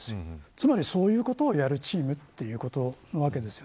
つまりそういうことをやるチームということなわけですよ。